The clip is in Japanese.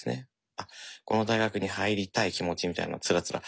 あっこの大学に入りたい気持ちみたいなのをつらつらしゃべってる。